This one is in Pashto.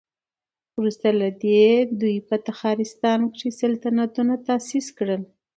وروسته له دې دوی په تخارستان کې سلطنتونه تاسيس کړل